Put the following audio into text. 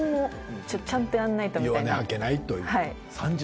弱音吐けないという。